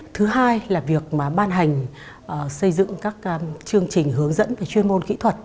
thứ hai là việc mà ban hành xây dựng các chương trình hướng dẫn về chuyên môn kỹ thuật